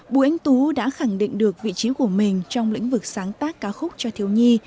bùi anh tú đã khẳng định được vị trí của mình trong lĩnh vực sáng tác ca khúc cho thiếu nhi